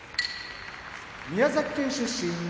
宮崎県出身